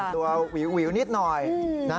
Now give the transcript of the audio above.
ตัวหวิวนิดหน่อย